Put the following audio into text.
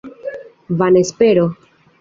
Vana espero!